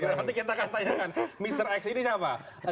nanti kita akan tanyakan mr x ini siapa